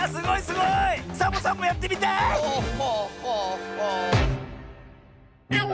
サボさんもやってみたい！